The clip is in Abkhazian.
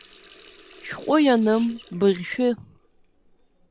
Шәҟәы ианым, быӷьшәы.